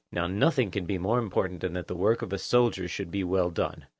Now nothing can be more important than that the work of a soldier should be well done.